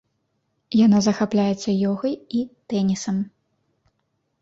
Яна захапляецца ёгай і тэнісам.